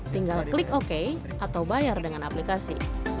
tinggal klik oke atau bayar dengan aplikasi